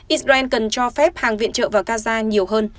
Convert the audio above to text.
israel cần cho phép hàng viện trợ vào gaza nhiều hơn